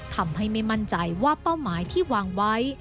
ทำให้ไม่มั่นใจว่าเป้าหมายที่วางไว้